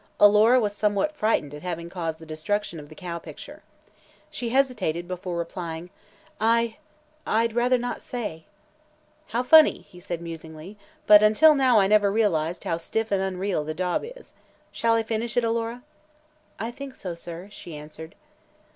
Alora was somewhat frightened at having caused the destruction of the cow picture. So she hesitated before replying: "I I'd rather not say." "How funny!" he said musingly, "but until now I never realized how stiff and unreal the daub is. Shall I finish it, Alora?" "I think so, sir," she answered.